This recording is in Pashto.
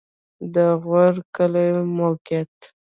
د غور کلی موقعیت